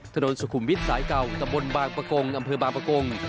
ถนนสุขุมวิทย์สายเก่าตะบนบางประกงอำเภอบางประกง